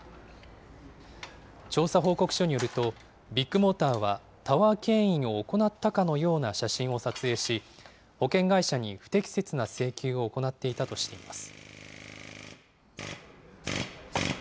調査報告書によると、ビッグモーターはタワーけん引を行ったかのような写真を撮影し、保険会社に不適切な請求を行っていたとしています。